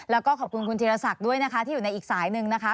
แล้วก็ขอบคุณคุณธีรศักดิ์ด้วยนะคะที่อยู่ในอีกสายหนึ่งนะคะ